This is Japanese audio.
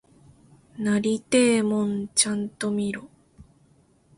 なりてえもんちゃんと見ろ！